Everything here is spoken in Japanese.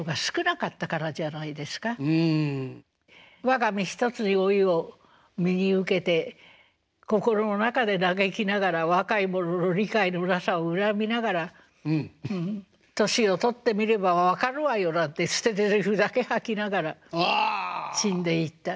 我が身一つの老いを身に受けて心の中で嘆きながら若い者の理解のなさを恨みながら年を取ってみれば分かるわよなんて捨てゼリフだけ吐きながら死んでいった。